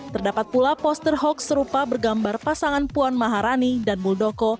terdapat pula poster hoaks serupa bergambar pasangan puan maharani dan muldoko